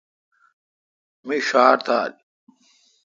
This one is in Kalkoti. می ݭار تھال۔